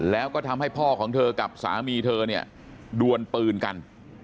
แล้วก็ทำให้พ่อของเธอกับสามีเธอเนี่ยดวนปืนกัน